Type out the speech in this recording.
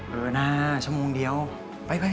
เออนะชั่วโมงเดียว